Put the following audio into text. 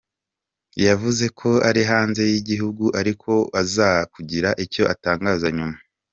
Yavuze ko ari hanze y’igihugu ariko ko aza kugira icyo atangaza nyuma.